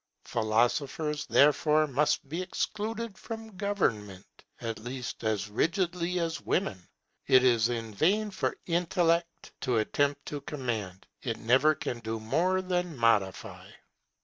Philosophers therefore must be excluded from government, at least as rigidly as women. It is in vain for intellect to attempt to command; it never can do more than modify.